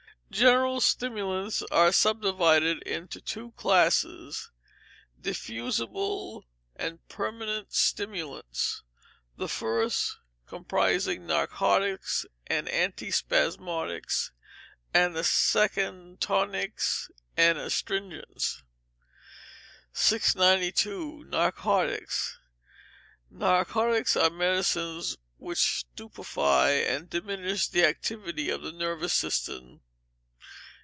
General stimulants are subdivided into two classes, diffusible and permanent stimulants: the first comprising narcotics and antispasmodics, and the second tonics and astringents. 692. Narcotics. Narcotics are medicines which stupefy and diminish the activity of the nervous system.